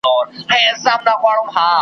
نه په میو کي مزه سته نه ساقي نه هغه جام دی .